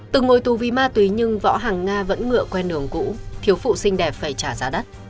từng ngồi tù vì ma túy nhưng võ hàng nga vẫn ngựa quen đường cũ thiếu phụ sinh đẹp phải trả giá đắt